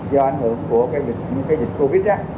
do ảnh hưởng của dịch covid